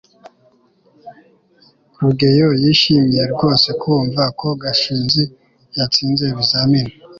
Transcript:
rugeyo yishimiye rwose kumva ko gashinzi yatsinze ibizamini